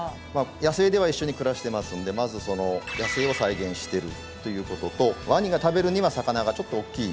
野生では一緒に暮らしてますんでまず野生を再現してるということとワニが食べるには魚がちょっと大きいんですね。